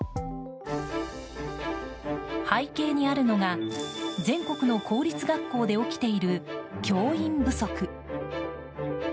背景にあるのが全国の公立学校で起きている教員不足。